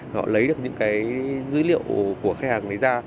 họ lấy được những cái dữ liệu của khách hàng đấy ra